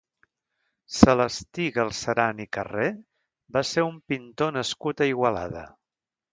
Celestí Galceran i Carrer va ser un pintor nascut a Igualada.